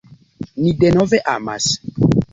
Ni denove amas.